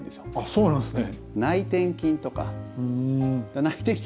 そうなんですか。